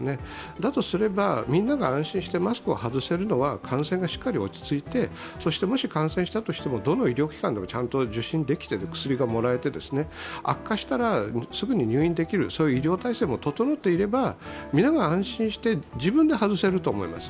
だとすればみんなが安心してマスクを外せるのは感染がしっかり落ち着いてそしてもし感染したとしても、どの医療機関でもちゃんと受診できて薬がもらえて、悪化したらすぐに入院できる医療体制も整っていれば皆が安心して、自分で外せると思います。